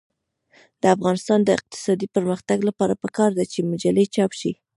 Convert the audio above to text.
د افغانستان د اقتصادي پرمختګ لپاره پکار ده چې مجلې چاپ شي.